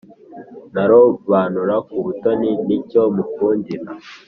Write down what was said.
Ntarobanura kubutoni icyo mukundira